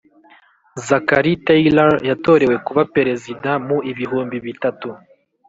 zachary taylor yatorewe kuba perezida mu ibihumbi bitatu